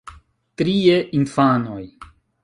Trie, infanoj.